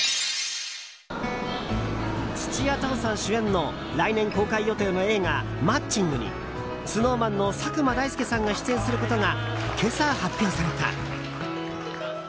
土屋太鳳さん主演の来年公開予定の映画「マッチング」にＳｎｏｗＭａｎの佐久間大介さんが出演することが今朝、発表された。